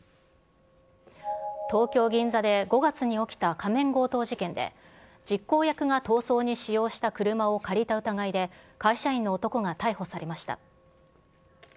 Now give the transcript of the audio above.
東京・銀座で５月に起きた仮面強盗事件で、実行役が逃走に使用した車を借りた疑いで、会社員の男が逮捕されました。